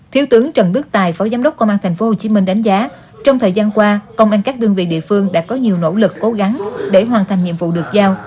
thiếu tướng trần đức tài phó giám đốc công an tp hcm đánh giá trong thời gian qua công an các đơn vị địa phương đã có nhiều nỗ lực cố gắng để hoàn thành nhiệm vụ được giao